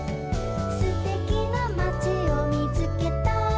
「すてきなまちをみつけたよ」